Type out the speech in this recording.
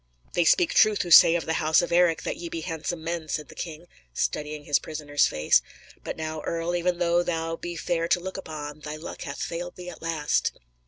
"They speak truth who say of the house of Eric that ye be handsome men," said the king, studying his prisoner's face. "But now, earl, even though thou be fair to look upon, thy luck hath failed thee at last."